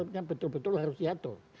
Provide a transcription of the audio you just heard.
kan betul betul harus diatur